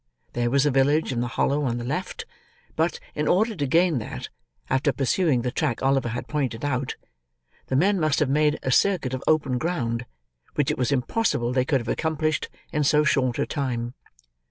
There was the village in the hollow on the left; but, in order to gain that, after pursuing the track Oliver had pointed out, the men must have made a circuit of open ground, which it was impossible they could have accomplished in so short a time.